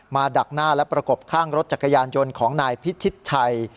ดักหน้าและประกบข้างรถจักรยานยนต์ของนายพิชิตชัย